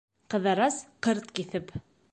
Ҡыҙырас, ҡырт киҫеп: